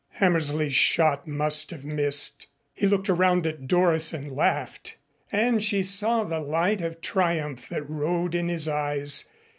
Hammersley's shot must have missed. He looked around at Doris and laughed, and she saw the light of triumph that rode in his eyes.